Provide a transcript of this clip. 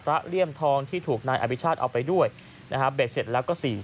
เลี่ยมทองที่ถูกนายอภิชาติเอาไปด้วยนะฮะเบ็ดเสร็จแล้วก็สี่